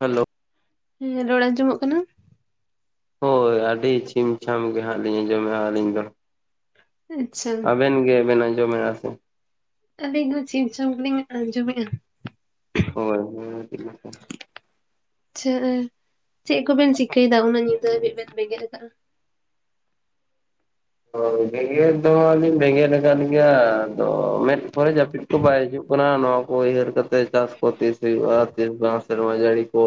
Hello ᱤᱧᱟᱹᱜ ᱨᱚᱲ ᱟᱸᱡᱚᱢᱚᱜ ᱠᱟᱱᱟ ᱦᱳᱭ ᱟᱹᱰᱤ ᱪᱷᱤᱢᱪᱷᱟᱢ ᱜᱮ ᱦᱟᱸᱜ ᱞᱤᱧ ᱟᱸᱡᱚᱢᱮᱜᱼᱟ ᱟᱹᱞᱤᱧ ᱫᱚ ᱟᱪᱪᱷᱟ ᱟᱵᱮᱱ ᱜᱮᱵᱮᱱ ᱟᱡᱚᱢᱮᱜ-ᱟ ᱟᱹᱞᱤᱧ ᱦᱚᱸ ᱪᱷᱤᱢ ᱪᱷᱟᱢ ᱜᱮᱞᱤᱧ ᱟᱸᱡᱚᱢᱮᱜᱼᱟ ᱦᱳᱭ ᱦᱳᱭ [unintelligible] ᱟᱪᱪᱷᱟ ᱪᱮᱜ ᱠᱚᱵᱮᱱ ᱪᱤᱠᱟᱹᱭᱫᱟ ᱩᱱᱟᱹᱜ ᱧᱤᱫᱟᱹ ᱦᱟᱵᱤᱡ ᱵᱮᱱ ᱵᱮᱸᱜᱮᱫ ᱠᱟᱜᱼᱟ ᱦᱳᱭ ᱵᱮᱸᱜᱮᱫ ᱫᱚᱞᱤᱧ ᱵᱮᱸᱜᱮᱫ ᱠᱟᱫ ᱜᱮᱭᱟ ᱟᱫᱚ ᱢᱮᱸᱫ ᱠᱚᱨᱮ ᱡᱟᱹᱯᱤᱫ ᱵᱟᱭ ᱦᱤᱡᱩᱜ ᱠᱟᱱᱟ ᱱᱚᱣᱟ ᱠᱚ ᱩᱭᱦᱟᱹᱨ ᱠᱟᱛᱮᱫ ᱪᱟᱥ ᱠᱚ ᱛᱤᱥ ᱦᱩᱭᱩᱜᱼᱟ ᱛᱤᱥ ᱵᱟᱝ ᱥᱮᱨᱢᱟ ᱡᱟᱹᱲᱤ ᱠᱚ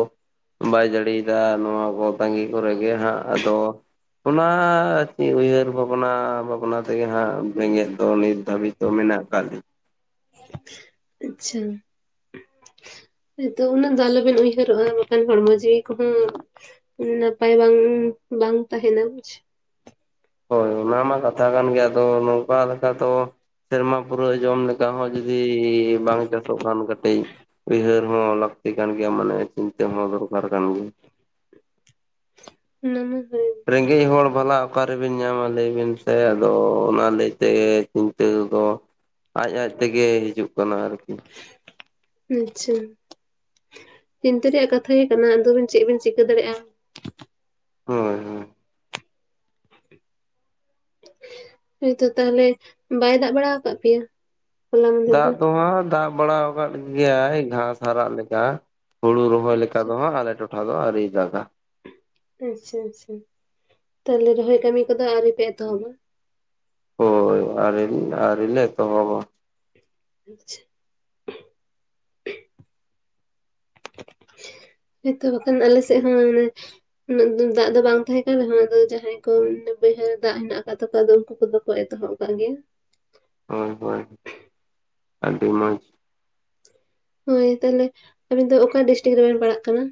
ᱵᱟᱭ ᱡᱟᱹᱲᱤᱭ ᱫᱟ ᱱᱚᱣᱟ ᱠᱚ ᱛᱟᱸᱜᱤ ᱠᱚᱨᱮ ᱜᱮ ᱦᱟᱸᱜ ᱟᱫᱚ ᱚᱱᱟ ᱠᱤ ᱩᱭᱟᱹᱨ ᱵᱷᱟᱵᱽᱱᱟ ᱵᱷᱟᱵᱽᱱᱟ ᱛᱮᱜᱮ ᱦᱟᱸᱜ ᱵᱮᱸᱜᱮᱫ ᱫᱚ ᱱᱤᱛ ᱫᱷᱟᱹᱵᱤᱡ ᱫᱚ ᱢᱮᱱᱟᱜ ᱠᱟᱫ ᱟᱪᱪᱷᱟ ᱱᱤᱛᱳᱝ ᱩᱱᱟᱹᱜ ᱫᱚ ᱟᱞᱚᱵᱮᱱ ᱩᱭᱦᱟᱹᱨᱚᱜᱼᱟ ᱵᱟᱠᱷᱟᱱ ᱦᱚᱲᱢᱚ ᱡᱤᱣᱤ ᱠᱚᱦᱚᱸ ᱱᱟᱯᱟᱭ ᱵᱟᱝ, ᱵᱟᱝ ᱛᱟᱦᱮᱱᱟ ᱵᱩᱡᱽ ᱦᱳᱭ ᱚᱱᱟ ᱢᱟ ᱠᱟᱛᱷᱟ ᱠᱟᱱ ᱜᱮᱭᱟ ᱟᱫᱚ ᱱᱚᱝᱠᱟ ᱞᱮᱠᱟ ᱫᱚ ᱥᱮᱨᱢᱟ ᱯᱩᱨᱟᱹᱜ ᱡᱚᱢ ᱢᱤᱫᱴᱟᱝ ᱦᱚᱸ ᱡᱩᱫᱤ ᱵᱟᱝ ᱪᱟᱥᱚᱜ ᱠᱷᱟᱱ ᱠᱟᱹᱴᱤᱡ ᱩᱭᱦᱟᱹᱨ ᱦᱚᱸ ᱞᱟᱹᱠᱛᱤ ᱠᱟᱱ ᱜᱮᱭᱟ ᱢᱚᱱᱮ ᱨᱮ ᱪᱤᱱᱛᱟᱹ ᱦᱚᱸ ᱫᱚᱨᱠᱟᱨ ᱠᱟᱱ ᱜᱮᱭᱟ ᱚᱱᱟ ᱢᱟ ᱦᱮᱸ ᱨᱮᱸᱜᱮᱡ ᱦᱚᱲ ᱵᱷᱟᱞᱟ ᱚᱠᱟᱨᱮᱵᱤᱱ ᱧᱟᱢᱟ ᱞᱟᱹᱭ ᱵᱤᱱ ᱥᱮ ᱟᱫᱚ ᱚᱱᱟ ᱞᱟᱹᱭ ᱛᱮᱜᱮ ᱪᱤᱱᱛᱟᱹ ᱫᱚ ᱟᱡ ᱟᱡ ᱛᱮᱜᱮ ᱦᱤᱡᱩᱜ ᱠᱟᱱᱟ ᱟᱨᱠᱤ ᱟᱪᱪᱷᱟ ᱪᱤᱱᱛᱟᱹ ᱨᱮᱭᱟᱜ ᱠᱟᱛᱷᱟ ᱜᱮ ᱠᱟᱱᱟ ᱟᱫᱚᱵᱮᱱ ᱪᱮᱜ ᱵᱮᱱ ᱪᱤᱠᱟᱹ ᱫᱟᱲᱮᱭᱟᱜᱼᱟ ᱦᱚᱸ ᱦᱚᱸ ᱦᱳᱭ ᱛᱚ ᱛᱟᱦᱞᱮ ᱵᱟᱭ ᱫᱟᱜ ᱵᱟᱲᱟ ᱟᱠᱟᱫ ᱯᱮᱭᱟ ᱦᱚᱞᱟ ᱢᱟᱫᱷᱮᱨ ᱫᱟᱜ ᱫᱚ ᱦᱟᱸᱜ ᱫᱟᱜ ᱵᱟᱲᱟ ᱟᱠᱟᱫ ᱜᱮᱭᱟᱭ ᱜᱷᱟᱸᱥ ᱦᱟᱨᱟᱜ ᱞᱮᱠᱟ᱾ ᱦᱩᱲᱩ ᱨᱚᱦᱚᱭ ᱞᱮᱠᱟ ᱟᱪᱪᱷᱟ ᱫᱚ ᱦᱟᱸᱜ ᱟᱞᱮ ᱴᱚᱴᱷᱟ ᱫᱚ ᱟᱹᱣᱨᱤᱭ ᱫᱟᱜᱟ ᱟᱪᱪᱷᱟ ᱟᱪᱪᱷᱟ ᱛᱟᱦᱞᱮ ᱨᱚᱦᱚᱭ ᱠᱟᱹᱢᱤ ᱠᱚᱫᱚ ᱟᱹᱣᱨᱤ ᱯᱮ ᱮᱛᱚᱦᱚᱵᱟ ᱦᱳᱭ ᱟᱹᱣᱨᱤ, ᱟᱹᱣᱨᱤ ᱞᱮ ᱮᱛᱚᱦᱚᱵᱟ ᱟᱪᱪᱷᱟ ᱦᱳᱭᱛᱚ ᱵᱟᱠᱷᱟᱱ ᱟᱞᱮ ᱥᱮᱫ ᱦᱚᱸ ᱢᱟᱱᱮ ᱩᱱᱟᱹᱜ ᱫᱟᱜ ᱫᱚ ᱵᱟᱝ ᱛᱟᱦᱮᱸ ᱠᱟᱱ ᱨᱮᱦᱚᱸ ᱟᱫᱚ ᱡᱟᱦᱟᱸᱭ ᱠᱚ ᱵᱟᱹᱭᱦᱟᱹᱲ ᱨᱮ ᱫᱟᱜ ᱦᱮᱱᱟᱜ ᱟᱠᱟᱫ ᱛᱟᱠᱚᱣᱟ ᱟᱫᱚ ᱩᱱᱠᱩ ᱠᱚᱫᱚ ᱠᱚ ᱮᱛᱚᱦᱚᱵ ᱠᱟᱜ ᱜᱮᱭᱟ ᱦᱳᱭ ᱦᱳᱭ ᱟᱹᱰᱤ ᱢᱚᱡᱽ ᱦᱳᱭ ᱛᱟᱦᱞᱮ ᱟᱵᱤᱱ ᱫᱚ ᱚᱠᱟ ᱰᱤᱥᱴᱤᱠ ᱨᱮᱵᱮᱱ ᱯᱟᱲᱟᱜ ᱠᱟᱱᱟ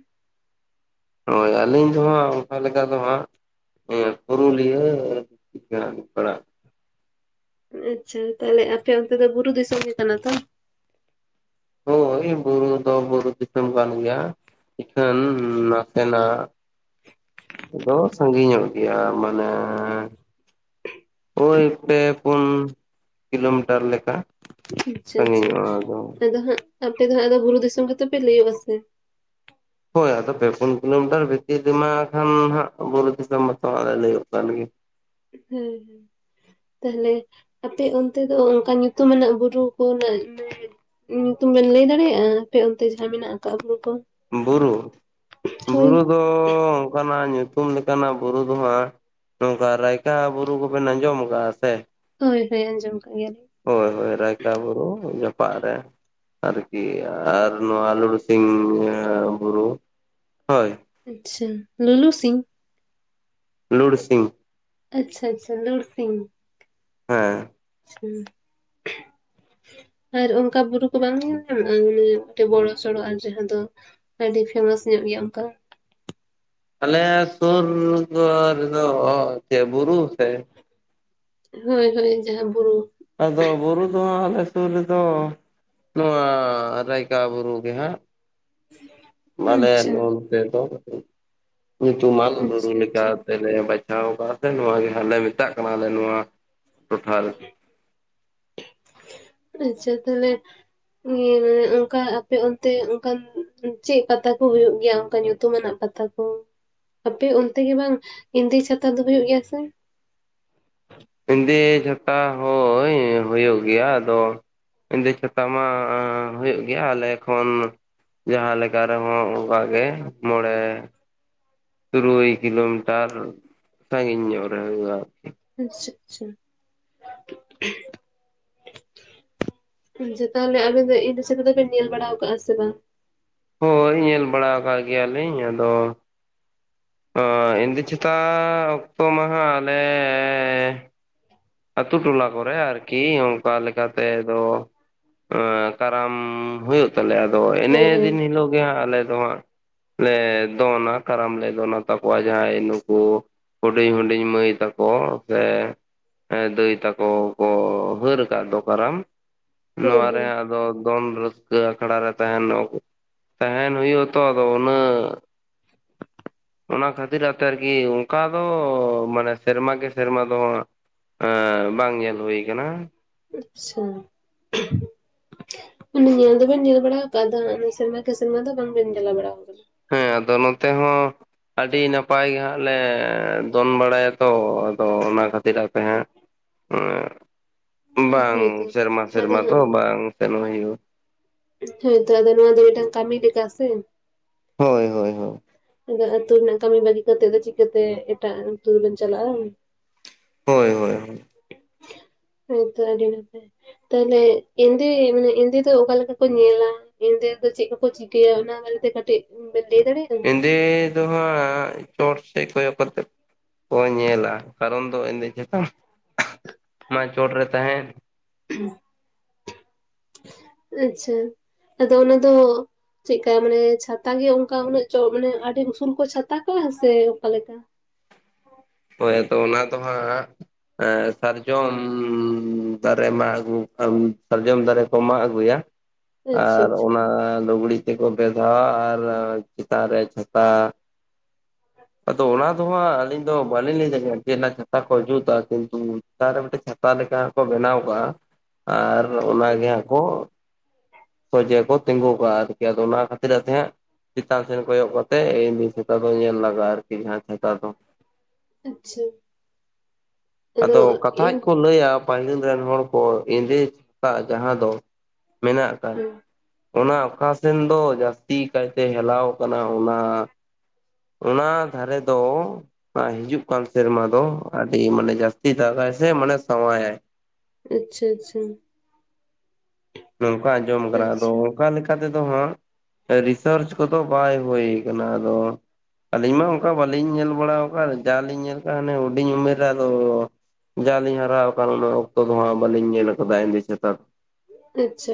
ᱦᱳᱭ ᱟᱹᱞᱤᱧ ᱫᱚ ᱦᱟᱸᱜ ᱚᱝᱠᱟ ᱞᱮᱠᱟ ᱫᱚ ᱦᱟᱸᱜ ᱚᱱᱟ ᱯᱩᱨᱩᱞᱤᱭᱟᱹ ᱜᱮ ᱦᱟᱸᱜ ᱞᱤᱧ ᱯᱟᱲᱟᱜ-ᱟ ᱟᱪᱪᱷᱟ, ᱛᱟᱦᱞᱮ ᱟᱯᱮ ᱚᱱᱛᱮ ᱫᱚ ᱵᱩᱨᱩ ᱫᱤᱥᱚᱢ ᱜᱮ ᱠᱟᱱᱟ ᱛᱚ? ᱦᱳᱭ ᱵᱩᱨᱩ ᱫᱚ ᱵᱩᱨᱩ ᱫᱤᱥᱚᱢ ᱠᱟᱱ ᱜᱮᱭᱟ ᱤᱠᱷᱟᱹᱱ ᱱᱟᱥᱮᱱᱟᱜ ᱫᱚ ᱥᱟᱺᱜᱤᱧ ᱧᱚᱜ ᱜᱮᱭᱟ ᱢᱟᱱᱮ ᱳᱭ ᱯᱮ ᱯᱩᱱ ᱠᱤᱞᱳᱢᱤᱴᱟᱨ ᱞᱮᱠᱟ᱾ ᱟᱪᱪᱷᱟ ᱟᱪᱪᱷᱟ, ᱟᱫᱚ ᱦᱟᱸᱜ ᱟᱯᱮ ᱫᱚ ᱦᱟᱸᱜ ᱟᱫᱚ ᱵᱩᱨᱩ ᱫᱤᱥᱚᱢ ᱜᱮᱛᱚ ᱯᱮ ᱞᱟᱹᱭᱳᱜ-ᱟ ᱥᱮ ᱦᱳᱭ ᱟᱫᱚ ᱯᱮ ᱯᱩᱱ ᱠᱤᱞᱳᱢᱤᱴᱟᱨ ᱵᱷᱤᱛᱤᱨ ᱨᱮᱢᱟ ᱠᱷᱟᱱ ᱦᱟᱸᱜ ᱵᱩᱨᱩ ᱫᱤᱥᱚᱢ ᱢᱟᱛᱚ ᱞᱮ ᱞᱟᱹᱭ ᱚᱜ ᱠᱟᱱ ᱜᱮ ᱾ ᱦᱩᱸ ᱦᱩᱸ ᱛᱟᱦᱞᱮ ᱟᱯᱮ ᱚᱱᱛᱮ ᱫᱚ ᱚᱱᱠᱟ ᱧᱩᱛᱩᱢᱟᱱᱟᱜ ᱵᱩᱨᱩ ᱠᱚᱨᱮᱱᱟᱜ [unintelligible] ᱧᱩᱛᱩᱢ ᱵᱮᱱ ᱞᱟᱹᱭ ᱫᱟᱲᱮᱭᱟᱜᱼᱟ ᱟᱯᱮ ᱚᱱᱛᱮ ᱡᱟᱦᱟᱸ ᱢᱮᱱᱟᱜ ᱟᱠᱟᱜ ᱵᱩᱨᱩ ᱠᱚ ᱵᱩᱨᱩ ᱦᱳᱭ ᱵᱩᱨᱩ ᱫᱚ ᱚᱱᱠᱟᱱᱟᱜ ᱧᱩᱛᱩᱢ ᱞᱮᱠᱟᱱᱟᱜ ᱵᱩᱨᱩ ᱫᱚ ᱦᱟᱸᱜ ᱱᱚᱝᱠᱟ ᱨᱟᱭᱠᱟ ᱵᱩᱨᱩ ᱠᱚᱵᱮᱱ ᱟᱸᱡᱚᱢ ᱟᱠᱟᱜ ᱥᱮ ᱦᱳᱭ ᱦᱳᱭ ᱟᱸᱡᱚᱢ ᱠᱟᱜ ᱜᱮᱭᱟ ᱞᱤᱧ ᱦᱳᱭ ᱦᱳᱭ ᱾ ᱨᱟᱭᱠᱟ ᱵᱩᱨᱩ ᱡᱚᱯᱟᱜ ᱨᱮ ᱾ [unintelligible] ᱟᱨᱠᱤ ᱟᱨ ᱱᱚᱣᱟ ᱟᱨ ᱯᱩᱨᱩ ᱥᱤᱝ ᱵᱩᱨᱩ ᱦᱳᱭ ᱟᱪᱪᱷᱟ ᱞᱚᱞᱚ ᱥᱤᱧ ᱞᱩᱲ ᱥᱤᱧ ᱟᱪᱪᱷᱟ ᱟᱪᱪᱷᱟ ᱞᱩᱲ ᱥᱤᱧ ᱦᱮᱸ ᱦᱩᱸ [inaudible] ᱟᱨ ᱚᱱᱠᱟ ᱵᱩᱨᱩ ᱠᱚ ᱵᱟᱝ ᱧᱮᱞ ᱧᱟᱢᱚᱜᱼᱟ ᱢᱤᱫᱴᱮᱱ ᱵᱚᱲᱚ ᱥᱚᱲᱚ ᱟᱨ ᱡᱟᱦᱟᱸ ᱫᱚ ᱟᱹᱰᱤ ᱯᱷᱮᱢᱟᱥ ᱧᱚᱜ ᱜᱮᱭᱟ ᱚᱱᱠᱟ ᱟᱞᱮ ᱥᱩᱨ ᱨᱮ ᱫᱚ ᱥᱮ ᱵᱩᱨᱩ ᱥᱮ [unintelligible] ᱦᱳᱭ ᱦᱳᱭ ᱡᱟᱦᱟᱸ ᱵᱩᱨᱩ ᱟᱫᱚ ᱵᱩᱨᱩ ᱫᱚ ᱦᱟᱸᱜ ᱟᱞᱮ ᱥᱩᱨ ᱨᱮᱫᱚ ᱱᱚᱣᱟ ᱨᱟᱭᱠᱟ ᱵᱩᱨᱩ ᱜᱮ ᱦᱟᱸᱜ ᱦᱮᱸ [inaudible] ᱢᱟᱱᱮ [unintelligible] ᱧᱩᱛᱩᱢ ᱢᱟᱹᱱ ᱵᱩᱨᱩ ᱞᱮ ᱟᱪᱪᱷᱟ ᱞᱮᱠᱟ ᱟᱪᱪᱷᱟ ᱛᱮ ᱞᱮ ᱵᱟᱪᱷᱟᱣ ᱟᱠᱟᱫᱟ ᱥᱮ ᱱᱚᱣᱟ ᱜᱮ ᱦᱟᱸ ᱞᱮ ᱢᱮᱛᱟᱜ ᱠᱟᱱᱟᱞᱮ ᱱᱚᱣᱟ ᱴᱚᱴᱷᱟ ᱨᱮ ᱟᱪᱪᱷᱟ ᱛᱟᱦᱚᱞᱮ ᱮ ᱚᱱᱠᱟ ᱟᱯᱮ ᱚᱱᱛᱮ ᱚᱱᱠᱟᱱ ᱪᱮᱫ ᱯᱟᱛᱟ ᱠᱚ ᱦᱩᱭᱩᱜ ᱜᱮᱭᱟ ᱚᱱᱠᱟ ᱧᱩᱛᱩᱢ ᱢᱟᱱᱟᱜ ᱯᱟᱛᱟ ᱠᱚ ᱚ ᱟᱯᱮ ᱚᱱᱛᱮ ᱜᱮ ᱵᱟᱝ ᱮᱱᱫᱮ ᱪᱷᱟᱛᱟ ᱫᱚ ᱦᱩᱭᱩᱜ ᱜᱮᱭᱟ ᱥᱮ ᱤᱸᱫᱮ ᱪᱷᱟᱛᱟ ᱦᱳᱭ ᱦᱩᱭᱩᱜ ᱜᱮᱭᱟ ᱟᱫᱚ ᱤᱸᱫᱮ ᱪᱷᱟᱛᱟ ᱢᱟ ᱦᱩᱭᱩᱜ ᱜᱮᱭᱟ ᱟᱞᱮ ᱠᱷᱚᱱ ᱡᱟᱦᱟᱸ ᱞᱮᱠᱟ ᱨᱮᱦᱚᱸ ᱚᱱᱠᱟ ᱜᱮ ᱢᱚᱬᱮ ᱛᱩᱨᱩᱭ ᱠᱤᱞᱳᱢᱤᱴᱟᱨ ᱥᱟᱺᱜᱤᱧ ᱧᱚᱜ ᱨᱮ ᱦᱩᱭᱩᱜᱼᱟ ᱟᱨᱠᱤ ᱟᱪᱪᱷᱟ ᱟᱪᱪᱷᱟ ᱟᱪᱪᱷᱟ ᱛᱟᱦᱚᱞᱮ ᱟᱵᱮᱱ ᱫᱚ ᱤᱱ [unintelligible] ᱨᱮᱫᱚ ᱵᱮᱱ ᱧᱮᱞ ᱵᱟᱲᱟᱣ ᱠᱟᱜᱼᱟ ᱥᱮ ᱵᱟᱝ ᱦᱳᱭ ᱧᱮᱞ ᱵᱟᱲᱟ ᱟᱠᱟᱜ ᱜᱮᱭᱟ ᱞᱤᱧ ᱟᱫᱚ ᱚᱸ ᱤᱱᱫᱤ ᱪᱮᱛᱟᱜ ᱚᱠᱛᱚ ᱢᱟᱦᱟᱜ ᱞᱮ ᱟᱹᱛᱩ ᱴᱚᱞᱟ ᱠᱚᱨᱮ ᱟᱨᱠᱤ ᱚᱝᱠᱟ ᱞᱮᱠᱟᱛᱮ ᱫᱚ ᱠᱟᱨᱟᱢ ᱦᱩᱭᱩᱜ ᱛᱟᱞᱮᱭᱟ ᱟᱫᱚ ᱮᱱᱮ ᱦᱳᱭ ᱦᱳᱭ ᱫᱤᱱ ᱦᱤᱞᱳᱜ ᱜᱮ ᱦᱟᱸᱜ ᱟᱞᱮ ᱫᱚ ᱦᱟᱸᱜ ᱞᱮ ᱫᱚᱱᱟ ᱠᱟᱨᱟᱢ ᱞᱮ ᱫᱚᱱᱟ ᱛᱟᱠᱚᱣᱟ ᱡᱟᱦᱟᱸᱭ ᱱᱩᱠᱩ ᱦᱩᱰᱤᱧ ᱦᱩᱰᱤᱧ ᱢᱟᱹᱭ ᱛᱟᱠᱚ ᱥᱮ ᱫᱟᱹᱭ ᱛᱟᱠᱚ ᱠᱚ ᱦᱟᱹᱨ ᱟᱠᱟᱫ ᱫᱚ ᱠᱟᱨᱟᱢ ᱦᱳᱭ ᱦᱳᱭ ᱱᱚᱣᱟᱮ ᱫᱚ ᱫᱚᱱ ᱨᱟᱹᱥᱠᱟ ᱟᱠᱷᱨᱟ ᱨᱮ ᱛᱟᱦᱮᱱ ᱛᱟᱦᱮᱱ ᱦᱩᱭᱩᱜᱼᱟ ᱛᱚ ᱟᱫᱚ ᱩᱱᱟᱹᱜ ᱚᱱᱟ ᱠᱷᱟᱹᱛᱤᱨ ᱟᱛᱮ ᱟᱨᱠᱤ ᱚᱱᱠᱟ ᱫᱚ ᱢᱟᱱᱮ ᱥᱮᱨᱢᱟ ᱠᱮ ᱥᱮᱨᱢᱟ ᱫᱚ ᱦᱟᱸᱜ ᱵᱟᱝ ᱧᱮᱞ ᱦᱩᱭᱩ ᱟᱠᱟᱱᱟ ᱟᱪᱪᱷᱟ ᱟᱱᱮ ᱧᱮᱞ ᱫᱚᱵᱮᱱ ᱧᱮᱞ ᱵᱟᱲᱟᱣ ᱠᱟᱜᱼᱟ ᱟᱫᱚ ᱚᱱᱮ ᱥᱮᱨᱢᱟ ᱠᱮ ᱥᱮᱨᱢᱟ ᱫᱚ ᱵᱟᱝᱵᱮᱱ ᱧᱟᱞᱟ ᱵᱟᱲᱟᱣ ᱠᱟᱱᱟ ᱦᱮᱸ ᱟᱫᱚ ᱱᱚᱛᱮ ᱦᱚᱸ ᱟᱹᱰᱤ ᱱᱟᱯᱟᱭ ᱜᱮ ᱦᱟᱸᱜ ᱞᱮ ᱫᱚᱱ ᱵᱟᱲᱟᱭᱟ ᱛᱚ ᱟᱫᱚ ᱚᱱᱟ ᱠᱷᱟᱹᱛᱤᱨ ᱟᱯᱮ ᱦᱟᱸᱜ ᱵᱟᱝ ᱦᱳᱭᱛᱚ ᱥᱮᱨᱢᱟ ᱟᱫᱚ ᱥᱮᱨᱢᱟ ᱛᱚ ᱵᱟᱝ ᱥᱮᱱᱚᱜ ᱦᱩᱭᱩᱜᱼᱟ ᱦᱮᱸ ᱛᱚ ᱟᱫᱚ ᱱᱚᱣᱟ ᱫᱚ ᱢᱤᱫᱴᱟᱝ ᱠᱟᱹᱢᱤ ᱞᱮᱠᱟ ᱥᱮ ᱦᱳᱭ ᱦᱳᱭ ᱦᱳᱭ ᱟᱫᱚ ᱟᱹᱛᱩ ᱨᱮᱱᱟᱜ ᱠᱟᱹᱢᱤ ᱵᱟᱹᱜᱤ ᱠᱟᱛᱮᱜ ᱫᱚ ᱪᱤᱠᱟᱹᱛᱮ ᱮᱴᱟᱜ ᱟᱹᱛᱩ ᱫᱚᱵᱮᱱ ᱪᱟᱞᱟᱜᱼᱟ ᱦᱳᱭ ᱦᱳᱭ ᱦᱳᱭ ᱦᱮᱛᱚ ᱟᱹᱰᱤ ᱱᱟᱯᱟᱭ᱾ ᱛᱟᱦᱚᱞᱮ ᱤᱱᱫᱤ ᱢᱟᱱᱮ ᱤᱱᱫᱤ ᱫᱚ ᱚᱠᱟ ᱞᱮᱠᱟ ᱠᱚ ᱧᱮᱞᱟ? ᱮᱱᱫᱮ ᱫᱚ ᱪᱮᱫ ᱠᱚᱠᱚ ᱪᱤᱠᱟᱹᱭᱟ ᱚᱱᱟ ᱵᱟᱨᱮᱛᱮ ᱠᱟᱹᱴᱤᱡ ᱵᱮᱱ ᱞᱟᱹᱭ ᱫᱟᱲᱮᱭᱟᱧᱤ [unintelligible] ᱠᱚ ᱮᱱᱮᱡᱟ ᱢᱟ ᱪᱚᱴ ᱨᱮ ᱛᱟᱦᱮᱱ [inaudible] ᱟᱪᱪᱷᱟ ᱟᱫᱚ ᱚᱱᱟ ᱫᱚ ᱪᱮᱠᱟ ᱢᱟᱱᱮ ᱪᱷᱟᱛᱟ ᱜᱮ ᱚᱝᱠᱟ ᱩᱱᱟᱹᱜ ᱪᱚ ᱢᱟᱱᱮ ᱟᱹᱰᱤ ᱩᱥᱩᱞ ᱠᱚ ᱪᱷᱟᱛᱟ ᱠᱟᱜᱼᱟ ᱥᱮ ᱚᱠᱟ ᱞᱮᱠᱟ? ᱦᱳᱭ ᱟᱫᱚ ᱚᱱᱟ ᱫᱚ ᱦᱟᱸᱜ ᱥᱟᱨᱡᱚᱢ ᱫᱟᱨᱮ ᱢᱟᱹᱜ ᱟᱹᱜᱩ ᱠᱟᱢ ᱥᱟᱨᱡᱚᱢ ᱫᱟᱨᱮ ᱠᱚ ᱢᱟᱜ ᱟᱹᱜᱩᱭᱟ᱾ ᱟᱪᱪᱷᱟ ᱟᱨ ᱚᱱᱟ ᱞᱩᱜᱽᱲᱤ ᱛᱮᱠᱚ ᱵᱮᱫᱷᱟᱣᱟ ᱟᱨ ᱪᱮᱛᱟᱱ ᱨᱮ ᱪᱷᱟᱛᱟ ᱟᱫᱚ ᱚᱱᱟ ᱫᱚ ᱦᱟᱸᱜ ᱟᱹᱞᱤᱧ ᱫᱚ ᱵᱟᱹᱞᱤᱧ ᱞᱟᱹᱭ ᱫᱟᱲᱮᱭᱟᱜ ᱠᱟᱱᱟ ᱪᱮᱫ ᱨᱮᱱᱟᱹᱜ ᱪᱷᱟᱛᱟ ᱠᱚ ᱡᱩᱛᱟ ᱠᱤᱱᱛᱩ ᱪᱮᱛᱟᱱᱨᱮ ᱢᱤᱫᱴᱟᱝ ᱪᱷᱟᱛᱟ ᱞᱮᱠᱟ ᱠᱚ ᱵᱮᱱᱟᱣ ᱠᱟᱜᱼᱟ ᱟᱨ ᱚᱱᱟᱜᱮ ᱟᱪᱪᱷᱟ ᱦᱟᱸᱜ ᱠᱚ ᱥᱚᱡᱮ ᱠᱚ ᱛᱤᱸᱜᱩ ᱠᱟᱜᱼᱟ ᱟᱨᱠᱤ ᱟᱫᱚ ᱚᱱᱟ ᱠᱷᱟᱹᱛᱤᱨ ᱛᱮ ᱦᱟᱸᱜ ᱪᱤᱛᱟᱱ ᱥᱮᱱ ᱠᱚᱭᱚᱜ ᱠᱟᱛᱮᱜ ᱮᱢᱱᱤ ᱪᱷᱟᱛᱟ ᱫᱚ ᱧᱮᱞ ᱞᱟᱜᱟᱜᱼᱟ ᱟᱨᱠᱤ ᱡᱟᱦᱟᱸ ᱪᱷᱟᱛᱟ ᱫᱚ ᱟᱪᱪᱷᱟ ᱟᱫᱚ ᱠᱟᱛᱷᱟᱡ ᱠᱚ ᱞᱟᱹᱭᱟ ᱯᱟᱹᱦᱤᱞ ᱨᱮᱱ ᱦᱚᱲ ᱠᱚ ᱮᱸᱫᱮ ᱪᱷᱟᱛᱟᱜ ᱡᱟᱦᱟᱸ ᱫᱚ ᱢᱮᱱᱟᱜ ᱦᱮᱸ ᱚᱱᱟ ᱚᱠᱟ ᱥᱮᱱ ᱫᱚ ᱡᱟᱹᱥᱛᱤ ᱠᱟᱭᱛᱮ ᱦᱮᱞᱟᱣ ᱠᱟᱱᱟ ᱚᱱᱟ ᱚᱱᱟ ᱫᱷᱟᱨᱮ ᱫᱚ ᱟᱨ ᱦᱤᱡᱩᱜ ᱠᱟᱱ ᱥᱮᱨᱢᱟ ᱫᱚ ᱟᱹᱰᱤ ᱢᱟᱱᱮ ᱡᱟᱹᱥᱛᱤ ᱫᱟᱜᱼᱟᱭ ᱥᱮ ᱢᱟᱱᱮ ᱥᱟᱶᱣᱟᱭᱟᱭ᱾ ᱟᱪᱷᱟ ᱟᱪᱷᱟ᱾ ᱱᱚᱝᱠᱟ ᱟᱸᱡᱚᱢ ᱠᱟᱱᱟ ᱟᱫᱚ ᱟᱪᱪᱷᱟ ᱚᱱᱠᱟ ᱞᱮᱠᱟ ᱛᱮᱫᱚ ᱦᱟᱸᱜ ᱨᱤᱥᱟ. ᱨᱪ ᱠᱚᱫᱚ ᱵᱟᱭ ᱦᱩᱭ ᱠᱟᱱᱟ ᱟᱫᱚ ᱟᱹᱞᱤᱧ ᱢᱟ ᱚᱝᱠᱟ ᱵᱟᱹᱞᱤᱧ ᱧᱮᱞ ᱵᱟᱲᱟᱣ ᱠᱟᱜᱼᱟ ᱡᱟᱣ ᱞᱤᱧ ᱧᱮᱞ ᱠᱟᱜᱼᱟ ᱚᱱᱮ ᱦᱩᱰᱤᱧ ᱩᱢᱮᱨ ᱨᱮ ᱟᱫᱚ ᱡᱟᱣᱞᱤᱧ ᱦᱟᱨᱟᱣ ᱟᱠᱟᱱ ᱚᱱᱟ ᱚᱠᱛᱚ ᱫᱚ ᱦᱟᱸᱜ ᱵᱟᱹᱞᱤᱧ ᱧᱮᱞ ᱠᱟᱫᱟ ᱮᱱᱫᱮ ᱪᱷᱟᱛᱟ ᱫᱚ᱾ ᱟᱪᱷᱟ᱾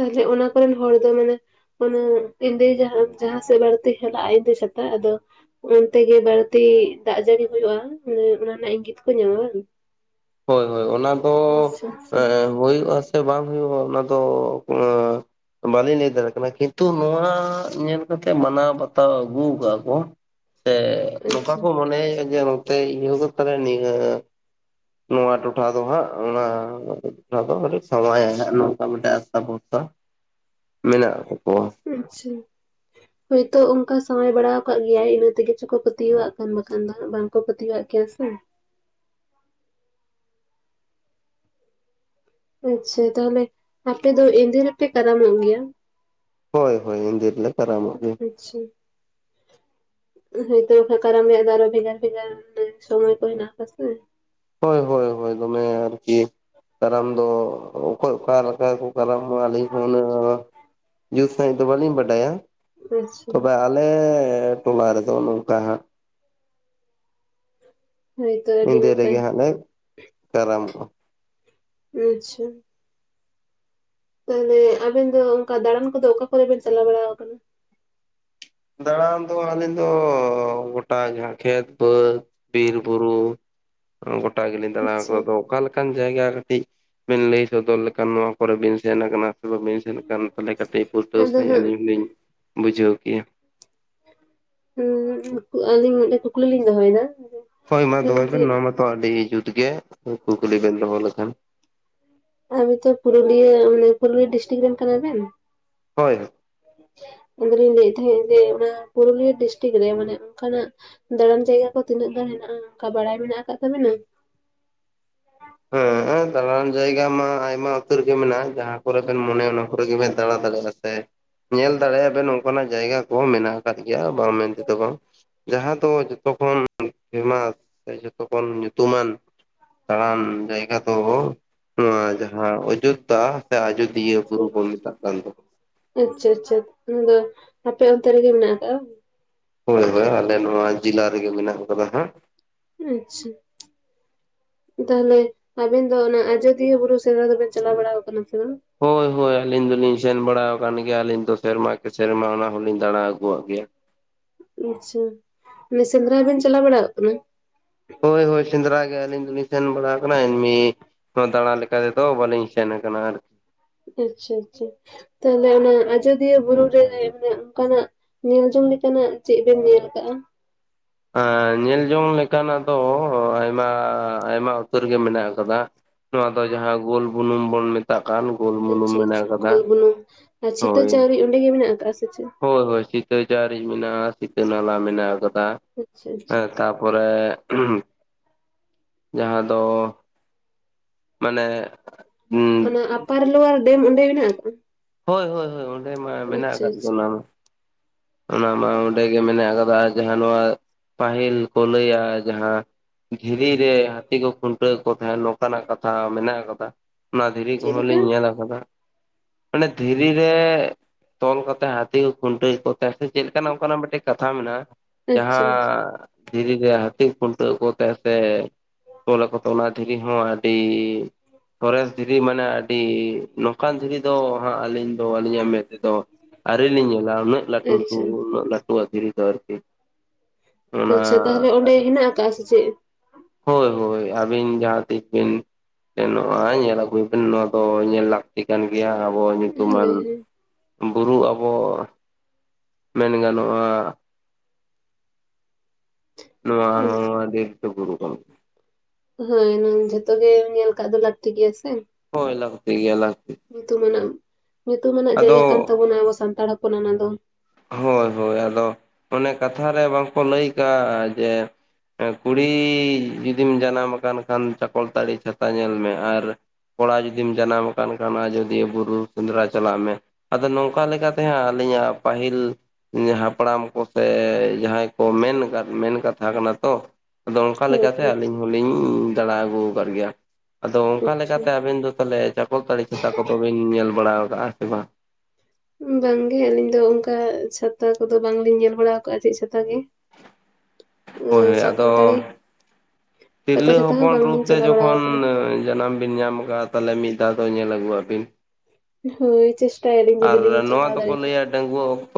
ᱛᱟᱦᱚᱞᱮ ᱚᱱᱟ ᱠᱚᱨᱮᱱ ᱦᱚᱲ ᱫᱚ ᱢᱟᱱᱮ ᱢᱟᱱᱮ ᱮᱱᱫᱮ ᱡᱟᱦᱟᱸ ᱡᱟᱦᱟᱸ ᱥᱮᱫ ᱵᱟᱹᱲᱛᱤ ᱪᱟᱞᱟᱜᱼᱟᱭ ᱤᱱᱫᱮ ᱪᱷᱟᱛᱟ ᱟᱫᱚ ᱚᱱᱛᱮ ᱜᱮ ᱵᱟᱹᱲᱛᱤ ᱫᱟᱜ ᱡᱟᱹᱲᱤ ᱦᱩᱭᱩᱜᱼᱟ ᱚᱱᱟ ᱨᱮᱱᱟᱜ ᱤᱝᱜᱤᱛᱠᱚ ᱧᱟᱢᱟ ᱵᱟᱝ? ᱦᱳᱭ ᱦᱳᱭ ᱚᱱᱟ ᱫᱚ ᱟᱪᱪᱷᱟ ᱮᱻ ᱟᱪᱪᱷᱟ ᱦᱩᱭᱩᱜ ᱟᱥᱮ ᱵᱟᱝ ᱦᱩᱭᱩᱜᱼᱟ ᱚᱱᱟ ᱫᱚ ᱟᱻ ᱵᱟ. ᱞᱤᱧ ᱞᱟᱹᱭ ᱫᱟᱲᱮᱭᱟᱜ ᱠᱟᱱᱟ ᱠᱤᱱᱛᱩ ᱱᱚᱣᱟᱻᱻ ᱧᱮᱞ ᱠᱟᱛᱮᱜ ᱢᱟᱱᱟᱣ ᱵᱟᱛᱟᱣ ᱟᱹᱜᱩ ᱟᱠᱟᱜ ᱠᱚ᱾ ᱥᱮ ᱱᱚᱝᱠᱟ ᱟᱪᱪᱷᱟ ᱠᱚ ᱢᱚᱱᱮᱭᱮᱫᱼᱟ ᱡᱮ ᱱᱚᱛᱮ ᱤᱭᱟᱹ ᱠᱚ ᱛᱟᱞᱮ ᱱᱤᱭᱟᱹ ᱱᱚᱣᱟ ᱴᱚᱴᱷᱟ ᱫᱚ ᱦᱟᱸᱜ ᱚᱱᱟ ᱴᱚᱴᱷᱟ ᱟ. ᱰᱤᱡ ᱥᱟᱶᱣᱟᱣ ᱟ ᱦᱟᱸᱜ ᱱᱚᱝᱠᱟ ᱢᱤᱫᱴᱟ. ᱜ ᱟᱥᱟ ᱵᱚᱨᱥᱟ᱾ ᱢᱮᱱᱟᱜ ᱟᱠᱚ ᱠᱚᱣᱟ᱾ ᱟᱪᱷᱟ᱾ ᱦᱳᱭᱛᱳ ᱚᱱᱠᱟ ᱥᱟᱶᱣᱟᱣ ᱵᱟᱲᱟ ᱟᱠᱟᱫ ᱜᱮᱭᱟᱭ ᱤᱱᱟᱹ ᱛᱮᱜᱮ ᱪᱚ ᱠᱚ ᱯᱟᱹᱛᱭᱟᱹᱣᱟᱜ ᱠᱟᱱ ᱵᱟᱠᱷᱟᱱ ᱫᱚ ᱦᱟᱸᱜ ᱵᱟᱝ᱾ ᱠᱚ ᱯᱟ. ᱛᱤᱭᱟᱣᱟᱜ ᱠᱮᱭᱟ ᱥᱮ᱾ ᱟᱪᱷᱟ ᱛᱟᱦᱚᱞᱮ ᱟᱯᱮ ᱫᱚ ᱮᱱᱫᱮ ᱨᱮᱯᱮ ᱠᱟᱨᱟᱢᱚᱜ ᱜᱮᱭᱟ? ᱦᱳᱭ ᱦᱳᱭ ᱮᱱᱫᱮ ᱨᱮᱞᱮ ᱠᱟᱨᱟᱢᱚᱜ ᱜᱮᱭᱟ᱾ [inaudible] ᱦᱮ ᱛᱚ ᱠᱟᱨᱟᱢ ᱨᱮᱭᱟᱜ ᱫᱚ ᱟᱨᱚ ᱵᱷᱮᱜᱟᱨ ᱵᱷᱮᱜᱟᱨ ᱥᱚᱢᱚᱭ ᱠᱚ ᱦᱮᱱᱟᱜ ᱟᱠᱟᱥᱮ᱾ ᱦᱳᱭ ᱦᱳᱭ ᱦᱳᱭ ᱫᱚᱢᱮ ᱟᱨᱠᱤ ᱠᱟᱨᱟᱢ ᱫᱚ ᱚᱠᱚᱭ ᱚᱠᱟ ᱞᱮᱠᱟ ᱠᱚ ᱠᱟᱨᱟᱢᱚᱜᱼᱟ ᱟᱹᱞᱤᱧ ᱦᱚᱸ ᱚᱱᱟ ᱡᱩᱛ ᱥᱟᱺᱦᱤᱡ ᱫᱚ ᱵᱟᱹᱞᱤᱧ ᱵᱟᱰᱟᱭᱟ ᱟᱪᱪᱷᱟ ᱛᱚᱵᱮ ᱟᱞᱮᱻ ᱴᱚᱞᱟ ᱨᱮᱫᱚ ᱱᱚᱝᱠᱟ ᱦᱟᱸᱜ᱾ ᱦᱳᱭᱛᱚ ᱟᱹᱰᱤ ᱤᱱᱫᱮ ᱱᱟᱯᱟᱭ ᱨᱮᱜᱮ ᱦᱟᱸᱜ ᱞᱮ ᱠᱟᱨᱟᱢᱚᱜᱼᱟ᱾ ᱟᱪᱷᱟ᱾ ᱛᱟᱦᱚᱞᱮ ᱟᱵᱮᱱ ᱫᱚ ᱚᱱᱠᱟ ᱫᱟᱬᱟᱱ ᱠᱚᱫᱚ ᱚᱠᱟ ᱠᱚᱨᱮ ᱵᱮᱱ ᱪᱟᱞᱟᱣ ᱵᱟᱲᱟ ᱟᱠᱟᱱᱟ? ᱫᱟᱬᱟᱱ ᱫᱚ ᱟᱹᱞᱤᱧ ᱫᱚ ᱜᱚᱴᱟ ᱜᱮ ᱠᱷᱮᱛ ᱵᱟᱹᱫᱽ᱾ ᱵᱤᱨ ᱵᱩᱨᱩ ᱜᱚᱴᱟ ᱜᱮ ᱞᱤᱧ ᱫᱟᱲᱟ ᱟᱪᱪᱷᱟ ᱠᱟᱫᱟ ᱟᱫᱚ ᱚᱠᱟᱞᱮ ᱞᱮᱠᱟ? ᱚᱱᱠᱟᱱ ᱡᱟᱭᱜᱟ ᱠᱟᱹᱴᱤᱡ ᱵᱤᱱ ᱞᱟᱹᱭ ᱥᱚᱫᱚᱨ ᱞᱮᱠᱷᱟᱱ ᱱᱚᱣᱟ ᱠᱚᱨᱮ ᱵᱤᱱ ᱥᱮᱱ ᱠᱟᱱᱟ᱾ ᱥᱮ ᱵᱟᱵᱤᱱ ᱥᱮᱱ ᱠᱟᱱ ᱛᱟᱦᱚᱞᱮ ᱠᱟᱹᱴᱤᱡ ᱯᱩᱥᱴᱟᱹᱣ ᱟᱫᱚ ᱥᱟᱺᱦᱤᱡ ᱦᱟᱸᱜ ᱟᱹᱞᱤᱧ ᱦᱚᱸᱞᱤᱧ ᱵᱩᱡᱷᱟᱹᱣ ᱠᱮᱭᱟ᱾ ᱦᱸ ᱟᱞᱤᱧ ᱢᱤᱫᱴᱮᱱ ᱠᱩᱠᱞᱤ ᱞᱤᱧ ᱫᱚᱦᱚᱭᱫᱟ? ᱦᱳᱭ ᱢᱟ ᱫᱚᱦᱚᱭ ᱵᱮᱱ ᱱᱚᱣᱟ ᱢᱟᱛᱚ ᱟᱹᱰᱤ ᱡᱩᱛ ᱜᱮ ᱠᱩᱠᱞᱤ ᱵᱮᱱ ᱫᱚᱦᱚ ᱞᱮᱠᱷᱟᱱ᱾ ᱟᱵᱤᱱ ᱛᱚ ᱯᱩᱨᱩᱞᱤᱭᱟᱹ ᱢᱟᱱᱮ ᱯᱩᱨᱩᱞᱤᱭᱟᱹ ᱰᱤᱥᱴᱤᱠ ᱨᱮᱱ ᱠᱟᱱᱟ ᱵᱮᱱ? ᱦᱳᱭᱻᱦᱳᱭ᱾ ᱟᱫᱚᱞᱤᱧ ᱞᱟᱹᱭᱮᱜ ᱛᱟᱦᱮᱸ ᱡᱮ ᱚᱱᱟ ᱯᱩᱨᱩᱞᱤᱭᱟᱹ ᱰᱤᱥᱴᱤᱠ ᱨᱮ ᱢᱟᱱᱮ ᱚᱱᱠᱟᱱᱟᱜ ᱫᱟᱲᱟᱱ ᱡᱟᱭᱜᱟ ᱠᱚ ᱛᱤᱱᱟᱹᱜ ᱜᱟᱱ ᱦᱮᱱᱟᱜᱼᱟ ᱚᱱᱠᱟ ᱵᱟᱲᱟᱭ ᱢᱮᱱᱟᱜ ᱠᱟᱜ ᱛᱟᱵᱤᱱᱟ? ᱦᱮᱸᱻᱻ ᱫᱟᱬᱟᱱ ᱡᱟᱭᱜᱟ ᱢᱟ ᱟᱭᱢᱟ ᱩᱛᱟᱹᱨ ᱜᱮ ᱢᱮᱱᱟᱜᱼᱟ, ᱡᱟᱦᱟᱸ ᱠᱚᱨᱮ ᱵᱮᱱ ᱢᱚᱱᱮᱭᱟ ᱚᱱᱟ ᱠᱚᱨᱮ ᱜᱮᱵᱤᱱ ᱫᱟᱸᱬᱟ ᱫᱟᱲᱮ ᱟᱥᱮ᱾ ᱧᱮᱞ ᱫᱟᱲᱮᱭᱟᱜ ᱟᱵᱮᱱ ᱚᱱᱠᱟᱱᱟᱜ ᱡᱟᱭᱜᱟ ᱠᱚ ᱢᱮᱱᱟᱜ ᱠᱟᱫ ᱜᱮᱭᱟ ᱵᱟᱝ ᱢᱮᱱ ᱛᱮᱫᱚ ᱵᱟᱝ? ᱡᱟᱦᱟᱸ ᱫᱚ ᱡᱚᱛᱚ ᱠᱷᱚᱱ ᱯᱷᱮᱢᱟᱥ ᱥᱮ ᱡᱚᱛᱚᱠᱷᱚᱱ ᱧᱩᱛᱩᱢᱟᱱ ᱫᱟᱲᱟᱱ ᱡᱟᱭᱜᱟ ᱫᱚ ᱱᱚᱣᱟ ᱡᱟᱦᱟᱸ ᱚᱡᱳᱫᱽᱫᱷᱟ ᱥᱮ ᱟᱡᱫᱤᱭᱟᱹ ᱵᱩᱨᱩ ᱠᱚ ᱢᱮᱛᱟᱜ ᱠᱟᱱ ᱫᱚ᱾ ᱟᱪᱪᱷᱟ ᱟᱪᱪᱷᱟ, ᱚᱱᱟᱫᱚ ᱟᱯᱮ ᱚᱱᱛᱮ ᱨᱮᱜᱮ ᱢᱮᱱᱟᱜ ᱠᱟᱜᱼᱟ? ᱦᱳᱭ ᱦᱳᱭ ᱟᱞᱮ ᱱᱚᱣᱟ ᱡᱮᱞᱟ ᱨᱮᱜᱮ ᱢᱮᱱᱟᱜ ᱠᱟᱫᱟ ᱦᱟᱸᱜ ᱾ ᱟᱪᱪᱷᱟ᱾ ᱛᱟᱦᱚᱞᱮ ᱟᱵᱮᱱ ᱫᱚ ᱚᱱᱟ, ᱟᱡᱚᱫᱤᱭᱟᱹ ᱵᱩᱨᱩ ᱥᱮᱫᱽᱨᱟ ᱫᱚᱵᱮᱱ ᱪᱟᱞᱟᱣ ᱵᱟᱲᱟ ᱠᱟᱱᱟ ᱥᱮ ᱵᱟᱝ? ᱦᱳᱭ [inaudible] ᱦᱳᱭ ᱟᱹᱞᱤᱧ ᱫᱚᱞᱤᱧ ᱥᱮᱱ ᱵᱟᱲᱟ ᱟᱠᱟᱱ ᱜᱮᱭᱟ, ᱟᱹᱞᱤᱧ ᱫᱚ ᱥᱮᱨᱢᱟ ᱠᱤ ᱥᱮᱨᱢᱟ ᱚᱱᱟ ᱦᱚᱸᱞᱤᱧ ᱫᱟᱬᱟ ᱟᱹᱜᱩᱣᱟᱜ ᱜᱮᱭᱟ᱾ ᱟᱪᱪᱷᱟ ᱢᱟᱱᱮ ᱥᱮᱸᱫᱽᱨᱟ ᱵᱮᱱ ᱪᱟᱞᱟᱣ ᱵᱟᱲᱟᱟᱜ ᱠᱟᱱᱟ? ᱦᱳᱭ ᱦᱳᱭ ᱥᱮᱸᱫᱽᱨᱟ ᱜᱮ ᱟᱹᱞᱤᱧ ᱫᱚᱞᱤᱧ ᱥᱮᱱ ᱵᱟᱲᱟ ᱠᱟᱱᱟ ᱮᱢᱱᱤ ᱫᱟᱬᱟ ᱞᱮᱠᱟ ᱛᱮᱫᱚ ᱵᱟᱹᱞᱤᱧ ᱥᱮᱱ ᱠᱟᱱᱟ ᱟᱨᱠᱤ? ᱟᱪᱪᱷᱟ ᱟᱪᱪᱷᱟ ᱛᱟᱦᱚᱞᱮ ᱚᱱᱟ ᱟᱡᱚᱫᱤᱭᱟᱹ ᱵᱩᱨᱩ ᱨᱮ ᱚᱱᱠᱟᱱᱟᱜ? ᱧᱮᱞᱡᱚᱝ ᱞᱮᱠᱟᱱᱟᱜ ᱪᱮᱜ ᱵᱮᱱ ᱧᱮᱞ ᱠᱟᱜᱼᱟ? ᱧᱮᱞ ᱡᱚᱝ ᱞᱮᱠᱟᱱᱟᱜ ᱫᱚ ᱟᱭᱢᱟᱻᱟᱭᱢᱟ ᱩᱛᱟᱹᱨ ᱜᱮ ᱢᱮᱱᱟᱜ ᱠᱟᱫᱟ ᱾ ᱱᱚᱣᱟ ᱫᱚ ᱡᱟᱦᱟᱸ ᱜᱳᱞ ᱵᱩᱱᱩᱢ ᱵᱚᱱ ᱢᱮᱛᱟᱜ ᱠᱟᱱ᱾ ᱜᱳᱞ ᱵᱩᱱᱩᱢ ᱟᱪᱪᱷᱟ ᱢᱮᱱᱟᱜ ᱟᱪᱪᱷᱟ, ᱟᱠᱟᱫᱟ ᱜᱚᱞ ᱵᱩᱱᱩᱢ ᱟᱨ ᱪᱷᱤᱛᱟᱹ ᱦᱳᱭ᱾ ᱪᱟᱣᱨᱤ ᱚᱸᱰᱮᱜ ᱜᱮ ᱢᱮᱱᱟᱜ ᱠᱟᱜᱼᱟ ᱥᱮ ᱪᱮᱫ? ᱦᱳᱭ ᱦᱳᱭ ᱥᱤᱛᱟᱹᱪᱟᱨᱤᱡ ᱢᱮᱱᱟᱜᱼᱟ, ᱥᱤᱛᱟᱹ ᱱᱟᱞᱟ ᱢᱮᱱᱟᱜ ᱟᱠᱟᱫᱟ ᱟᱪᱪᱷᱟ ᱟᱪᱪᱷᱟ ᱦᱮᱸ ᱛᱟᱯ ᱯᱚᱨᱮ ᱡᱟᱦᱟᱸ ᱫᱚ ᱢᱟᱱᱮ ᱚᱱᱟ ᱟᱯᱟᱨ ᱞᱳᱣᱟᱨ ᱰᱮᱢ ᱚᱸᱰᱮ ᱢᱮᱱᱟᱜᱼᱟ, ᱛᱚ? ᱦᱳᱭᱻᱦᱳᱭᱻᱦᱳᱭ, ᱚᱸᱰᱮ ᱢᱟ ᱢᱮᱱᱟᱜ ᱠᱟᱫ ᱜᱮ ᱟᱪᱪᱷᱟ ᱚᱱᱟ ᱢᱟ᱾ ᱚᱱᱟ ᱢᱟ ᱚᱸᱰᱮ ᱜᱮ ᱢᱮᱱᱟᱜ ᱠᱟᱫᱟ, ᱡᱟᱦᱟᱸ ᱱᱚᱣᱟ ᱯᱟᱹᱦᱤᱞ ᱠᱚ ᱞᱟᱹᱭᱟ ᱡᱟᱦᱟᱸ ᱫᱷᱤᱨᱤ ᱨᱮ ᱦᱟᱹᱛᱤ ᱠᱚ ᱠᱷᱩᱱᱴᱟᱹᱣ ᱠᱚ ᱛᱟᱦᱮᱸᱫ, ᱱᱚᱝᱠᱟᱱᱟᱜ ᱠᱟᱛᱷᱟ ᱢᱮᱱᱟᱜ ᱠᱟᱫᱟ᱾ ᱚᱱᱟ ᱫᱷᱤᱨᱤ ᱪᱮᱫ ᱠᱚᱦᱚᱸ ᱞᱮᱠᱟ ᱞᱤᱧ ᱧᱮᱞ ᱠᱟᱫᱟ᱾ ᱢᱟᱱᱮ ᱫᱷᱤᱨᱤ ᱨᱮ ᱛᱚᱞ ᱠᱟᱛᱮ ᱦᱟᱹᱛᱤ ᱠᱚ ᱠᱷᱩᱱ ᱼᱼ ᱡᱟᱥᱛᱤ ᱪᱮᱞᱮᱠᱟᱱᱟ ᱚᱱᱠᱟᱱᱟᱜ ᱢᱤᱫᱴᱮᱡ ᱠᱟᱛᱷᱟ ᱢᱮᱱᱟᱜᱼᱟ, ᱟᱪᱪᱷᱟ ᱟᱪᱪᱷᱟ ᱡᱟᱦᱟᱸᱻ ᱫᱷᱤᱨᱮ ᱨᱮ ᱦᱟᱹᱛᱤ ᱠᱷᱩᱱᱴᱟᱹᱣ ᱠᱚ ᱛᱟᱸᱦᱮ ᱥᱮ ᱛᱚᱞᱟᱠᱚ ᱛᱚ ᱚᱱᱟ ᱫᱷᱤᱨᱤ ᱦᱚᱸ ᱟᱹᱰᱤ ᱥᱚᱨᱮᱥ ᱫᱷᱤᱨᱤ ᱢᱟᱱᱮ ᱟᱹᱰᱤ ᱱᱚᱝᱠᱟᱱ ᱫᱷᱤᱨᱤ ᱫᱚ, ᱦᱟᱸᱜ ᱟᱹᱞᱤᱧ ᱫᱚ ᱟᱹᱞᱤᱧᱟᱜ ᱢᱮᱫ ᱛᱮᱫᱚ ᱟᱹᱣᱨᱤ ᱞᱤᱧ ᱧᱮᱞᱟ ᱩᱱᱟᱹᱜ ᱞᱟᱹᱴᱩ, ᱟᱪᱪᱷᱟ ᱞᱟᱹᱴᱩ, ᱟᱪᱪᱷᱟ᱾ ᱩᱱᱟᱹᱜ ᱞᱟᱹᱴᱩᱭᱟᱜ ᱫᱷᱤᱨᱤ ᱫᱚ ᱟᱨᱠᱤ ᱚᱱᱟ ᱟᱪᱪᱷᱟ ᱛᱟᱦᱚᱞᱮ ᱚᱸᱰᱮ ᱦᱮᱱᱟᱜ ᱠᱟᱜᱼᱟ, ᱥᱮ ᱪᱮᱫ? ᱦᱳᱭ ᱦᱳᱭ, ᱟᱹᱵᱤᱱ ᱡᱟᱦᱟᱸᱛᱤᱥ ᱵᱤᱱ ᱥᱮᱱᱚᱜᱼᱟ, ᱧᱮᱞ ᱟᱹᱜᱩᱭᱵᱤᱱ ᱱᱚᱣᱟ ᱫᱚ ᱧᱮᱞ ᱞᱟᱠ ᱛᱤ ᱠᱟᱱ ᱜᱮᱭᱟ ᱟᱵᱚ ᱧᱩᱛᱩᱢᱟᱱ ᱦᱳᱭ ᱦᱳᱭ ᱵᱩᱨᱩ ᱟᱵᱚ ᱢᱮᱱ ᱜᱟᱱᱚᱜᱼᱟ ᱱᱚᱣᱟ ᱦᱚᱸ ᱟᱪᱪᱷᱟ ᱟᱰᱤ ᱩᱥᱩᱞ ᱵᱩᱨᱩ ᱠᱟᱱ ᱜᱮ ᱦᱳᱭ ᱡᱷᱚᱛᱚ ᱜᱮ ᱧᱮᱞ ᱠᱟᱜ ᱫᱚ ᱞᱟᱹᱠᱛᱤ ᱜᱮᱭᱟ ᱥᱮ᱾ ᱦᱳᱭ ᱞᱟ. ᱠᱛᱤ ᱜᱮᱭᱟ ᱞᱟ. ᱠᱛᱤ ᱧᱩᱛᱩᱢᱟᱱᱟᱜ ᱧᱩᱛᱩᱢᱟᱱᱟᱜ ᱡᱟᱭᱜᱟ ᱠᱟᱱ ᱛᱟᱵᱚᱱᱟ ᱟᱵᱚ ᱥᱟᱱᱛᱟᱲ ᱦᱚᱯᱚᱱᱟ ᱚᱱᱟ ᱫᱚ᱾ ᱦᱳᱭ ᱦᱳᱭ ᱟᱫᱚ ᱚᱱᱮ ᱠᱟᱛᱷᱟ ᱨᱮ ᱵᱟᱝᱠᱚ ᱞᱟᱹᱭ ᱠᱟᱜᱼᱟ ᱡᱮ ᱠᱩᱲᱤ ᱡᱩᱫᱤᱢ ᱡᱟᱱᱟᱢ ᱟᱠᱟᱱ ᱠᱷᱟᱱ ᱪᱟᱠᱚᱞᱛᱟᱲᱤ ᱪᱷᱟᱛᱟ ᱧᱮᱞ ᱢᱮ ᱟᱨ ᱠᱚᱲᱟ ᱡᱩᱫᱤᱢ ᱡᱟᱱᱟᱢ ᱟᱠᱟᱱᱟᱱ ᱠᱷᱟᱱ ᱟᱡᱚᱫᱤᱭᱟᱹ ᱵᱩᱨᱩ ᱥᱮᱸᱫᱽᱨᱟ ᱪᱟᱞᱟᱜ ᱢᱮ᱾ ᱟᱫᱚ ᱱᱚᱝᱠᱟᱛᱮ ᱟᱹᱞᱤᱧᱟᱜ ᱯᱟᱹᱦᱤᱞ ᱦᱟᱯᱲᱟᱢ ᱠᱚᱥᱮ ᱡᱟᱦᱟᱸᱭ ᱠᱚ ᱢᱮᱱᱠᱟᱫ ᱢᱮᱱ ᱠᱟᱛᱷᱟ ᱠᱟᱱᱟ ᱛᱚ ᱟᱫᱚ ᱚᱱᱠᱟ ᱦᱳᱭ ᱞᱮᱠᱟᱛᱮ ᱦᱳᱭ ᱟᱹᱞᱤᱧ ᱦᱚᱞᱤᱧ ᱫᱟᱬᱟ ᱟᱹᱜᱩ ᱟᱠᱟᱫ ᱜᱮᱭᱟ ᱟᱫᱚ ᱚᱱᱠᱟ ᱟᱪᱪᱷᱟ ᱞᱮᱠᱟᱛᱮ ᱟᱵᱤᱱ ᱫᱚ ᱛᱟᱦᱚᱞᱮ ᱪᱟᱠᱚᱞᱛᱟᱹᱲᱤ ᱪᱷᱟᱛᱟ ᱠᱚᱫᱚ ᱵᱤᱱ ᱧᱮᱞ ᱵᱟᱲᱟ ᱟᱠᱟᱜᱼᱟ ᱥᱮ ᱵᱟᱝ ᱵᱟᱝ ᱜᱮ ᱟᱹᱞᱤᱧ ᱫᱚ ᱚᱱᱠᱟ ᱪᱷᱟᱛᱟ ᱠᱚᱫᱚ ᱵᱟᱝᱞᱤᱧ ᱧᱮᱞ ᱵᱟᱲᱟ ᱟᱠᱟᱜᱼᱟ ᱪᱮᱫ ᱪᱷᱟᱛᱟ ᱜᱮ [inaudible] ᱦᱳᱭ ᱪᱟᱠᱚᱞᱛᱟᱹᱲᱤ ᱟᱫᱚ ᱯᱟᱛᱟ ᱛᱤᱨᱞᱟᱹ ᱪᱷᱟᱛᱟ ᱦᱚᱸ ᱦᱚᱯᱚᱱ ᱨᱩᱯ ᱵᱟᱝᱞᱤᱧ ᱛᱮ ᱪᱟᱞᱟᱣ ᱵᱟᱲᱟ ᱡᱚᱠᱷᱚᱱ ᱟᱠᱟᱱᱟ ᱡᱟᱱᱟᱢ ᱵᱤᱱ ᱧᱟᱢ ᱟᱠᱟᱫᱟ ᱛᱟᱦᱚᱞᱮ ᱢᱤᱫ ᱫᱷᱟᱣ ᱫᱚ ᱧᱮᱞ ᱟᱜᱩᱭᱟᱜ ᱵᱤᱱ ᱦᱳᱭ ᱪᱮᱥᱴᱟᱭᱟᱞᱤᱧ ᱡᱚᱫᱤ ᱞᱤᱧ ᱪᱟᱞᱟᱣ ᱫᱟᱲᱮᱭᱟᱜ ᱰᱟᱸᱜᱩᱣᱟ. ᱚᱠᱛᱚ